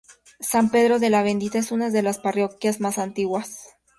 San Pedro de la Bendita es una de las parroquias más antiguas.